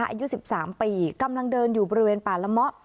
อายุ๑๓ปีกำลังเดินอยู่บริเวณป่าละเมาะ